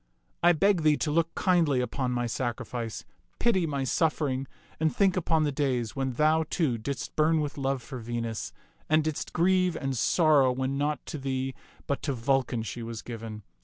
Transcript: I beg thee to look kindly upon my sacrifice. Pity my suffering, and think upon the days when thou, too, didst burn with love for Venus and didst grieve and sorrow when not to thee but to Vulcan she was given.